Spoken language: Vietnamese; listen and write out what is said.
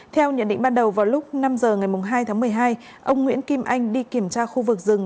theo nhận định ban đầu vào lúc năm h ngày hai tháng một mươi hai ông nguyễn kim anh đi kiểm tra khu vực rừng